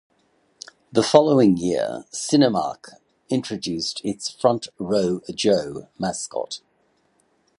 The following year, Cinemark introduced its Front Row Joe mascot.